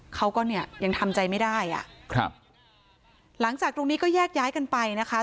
เขาก็เนี่ยยังทำใจไม่ได้อ่ะครับหลังจากตรงนี้ก็แยกย้ายกันไปนะคะ